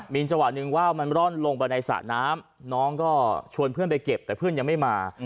มีจังหวะหนึ่งว่าวมันร่อนลงไปในสระน้ำน้องก็ชวนเพื่อนไปเก็บแต่เพื่อนยังไม่มา